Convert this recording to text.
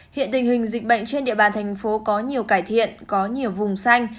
hiện tình hình dịch bệnh trên địa bàn thành phố có nhiều cải thiện có nhiều vùng xanh